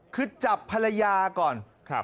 คือจับภรรยาก่อน